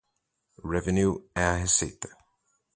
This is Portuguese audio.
Revenue é a receita.